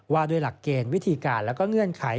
ว่าด้วยหลักเกณฑ์วิธีการและเงื่อนไข